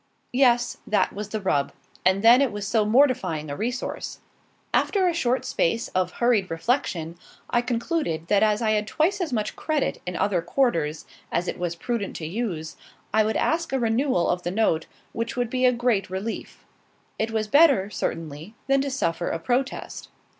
Yes, that was the rub; and then it was so mortifying a resource. After a short space of hurried reflection, I concluded that as I had twice as much credit in other quarters as it was prudent to use, I would ask a renewal of the note, which would be a great relief. It was better, certainly, than to suffer a protest.